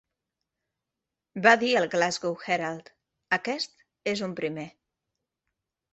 Va dir al "Glasgow Herald", "Aquest és un primer.